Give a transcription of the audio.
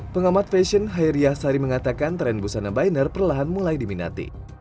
pengamat fashion hairiyah sari mengatakan tren busana biner perlahan mulai diminati